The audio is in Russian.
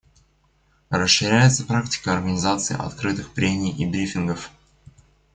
Расширяется практика организации открытых прений и брифингов.